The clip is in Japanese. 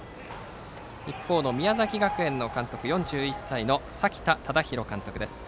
一方の宮崎学園は４１歳の崎田忠寛監督です。